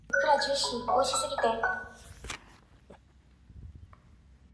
Although, I suppose you could try it.